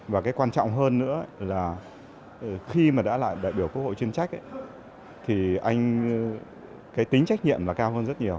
và quan trọng hơn nữa là khi đã là đại biểu quốc hội chuyên trách thì tính trách nhiệm cao hơn rất nhiều